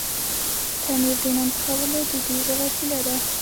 تنور د نان پخولو دودیزه وسیله ده